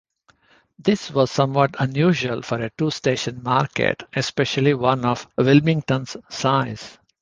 This was somewhat unusual for a two-station market, especially one of Wilmington's size.